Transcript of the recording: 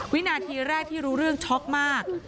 วินาทีแรกที่รู้เรื่องช็อกมาก